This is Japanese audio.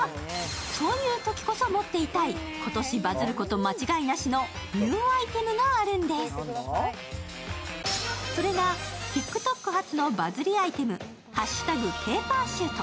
そういうときこそ持っていたい、今年バズること間違いなしのニューアイテムがあるんです、それがＴｉｋＴｏｋ発のバズりアイテム、＃ペーパーシュート。